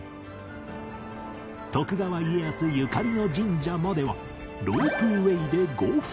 徳川家康ゆかりの神社まではロープウェーで５分